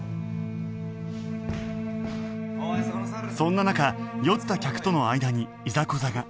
そんな中酔った客との間にいざこざが